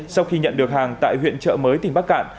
sau khi nhận được hàng tại huyện chợ mới tỉnh bắc cạn